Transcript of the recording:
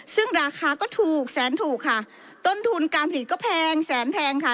ซึ่งราคาก็ถูกแสนถูกค่ะต้นทุนการผลิตก็แพงแสนแพงค่ะ